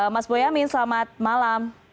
mas boyamin selamat malam